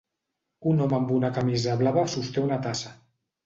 Un home amb una camisa blava sosté una tassa.